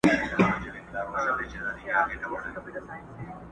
قاتلان او جاهلان یې سرداران دي،